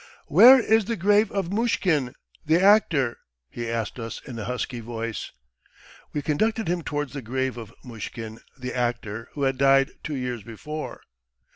"Where is the grave of Mushkin, the actor?" he asked us in a husky voice. We conducted him towards the grave of Mushkin, the actor, who had died two years before.